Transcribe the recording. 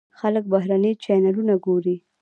خلک بهرني چینلونه ګوري.